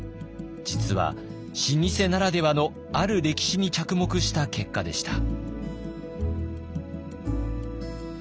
実は老舗ならではのある歴史に着目した結果でした。